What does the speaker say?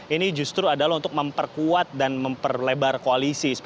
ini justru adalah untuk memperkuat dan memperlebar koalisi